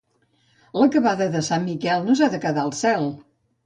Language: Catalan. La cavada de Sant Miquel no s'ha de quedar al cel.